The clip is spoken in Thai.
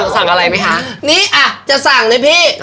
สั่งอะไรไหมคะนี่อ่ะจะสั่งเลยพี่